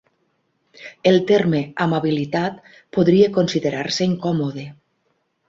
El terme "amabilitat" podria considerar-se incòmode.